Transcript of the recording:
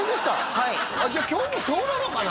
はいじゃあ今日もそうなのかな？